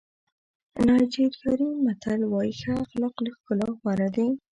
نایجیریایي متل وایي ښه اخلاق له ښکلا غوره دي.